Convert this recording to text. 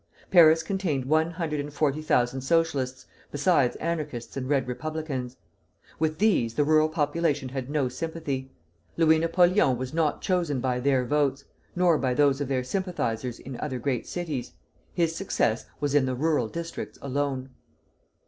Paris contained one hundred and forty thousand Socialists, besides Anarchists and Red Republicans. With these the rural population had no sympathy. Louis Napoleon was not chosen by their votes, nor by those of their sympathizers in other great cities. His success was in the rural districts alone.